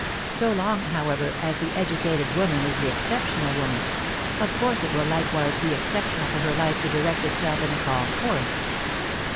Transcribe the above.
So long, however, as the educated woman is the exceptional woman, of course it will likewise be exceptional for her life to direct itself in a calm course.